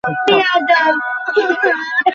তাহলে, আমি তোমার সাথে আসি।